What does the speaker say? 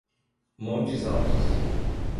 Montes Altos